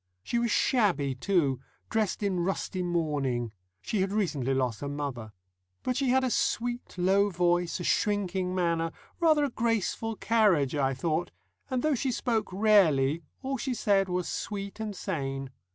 She was shabby, too, dressed in rusty mourning she had recently lost her mother. But she had a sweet, low voice, a shrinking manner, rather a graceful carriage, I thought, and, though she spoke rarely, all she said was sweet and sane.